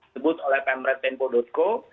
sebut oleh pamrettempo co